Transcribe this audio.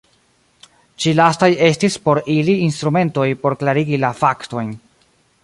Ĉi lastaj estis por ili instrumentoj por klarigi la faktojn.